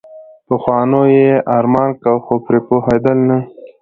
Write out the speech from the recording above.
پخوانیو يې ارمان کاوه خو پرې پوهېدل نه.